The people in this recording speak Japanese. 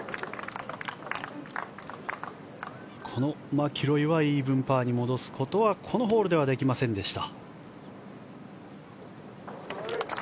マキロイはイーブンパーに戻すことはこのホールではできませんでした。